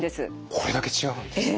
これだけ違うんですね。